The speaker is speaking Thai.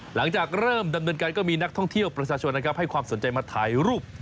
หลังจากเริ่มดำเนินการก็มีนักท่องเที่ยวประชาชนนะครับให้ความสนใจมาถ่ายรูป